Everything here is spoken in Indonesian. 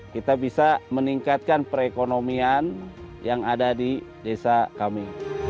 kita bisa meningkatkan perekonomian yang ada di desa kami